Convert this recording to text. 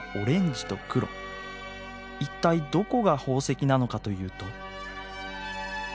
一体どこが宝石なのかというと。